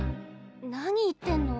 何言ってんの？